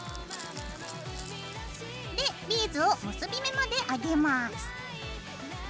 でビーズを結び目まで上げます。